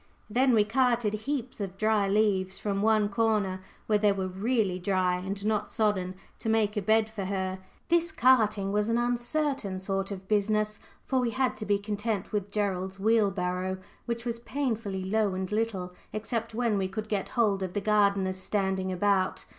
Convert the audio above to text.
Then we "carted" heaps of dry leaves from one corner, where they were really dry and not sodden, to make a bed for her. This carting was an uncertain sort of business, for we had to be content with Gerald's wheelbarrow, which was painfully low and little, except when we could get hold of the gardener's standing about.